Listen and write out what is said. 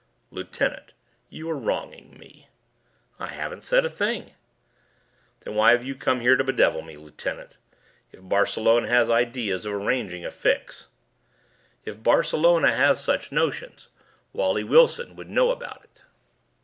"Lieutenant, you are wronging me." "I haven't said a thing." "Then why have you come here to bedevil me, lieutenant? If Barcelona has ideas of arranging a fix " "If Barcelona has such notions, Wally Wilson would know about it."